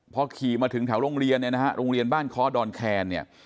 พอขี่มาถึงแถวโรงเรียนเนี่ยนะฮะโรงเรียนบ้านคอดอนแคนเนี่ย